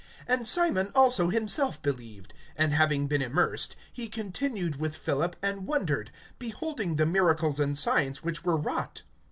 (13)And Simon also himself believed; and having been immersed, he continued with Philip, and wondered, beholding the miracles and signs which were wrought.